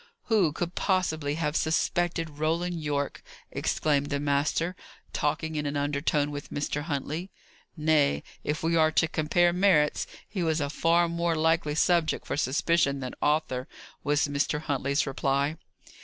"Who could possibly have suspected Roland Yorke!" exclaimed the master, talking in an undertone with Mr. Huntley. "Nay, if we are to compare merits, he was a far more likely subject for suspicion than Arthur," was Mr. Huntley's reply.